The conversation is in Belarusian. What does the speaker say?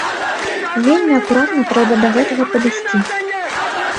Вельмі акуратна трэба да гэтага падысці.